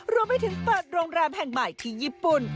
รวมไปถึงเปิดโรงแรมแห่งใหม่ที่ญี่ปุ่น